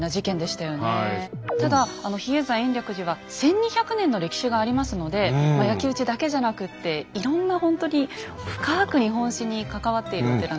ただ比叡山延暦寺は１，２００年の歴史がありますのでまあ焼き打ちだけじゃなくっていろんなほんとに深く日本史に関わっているお寺なんです。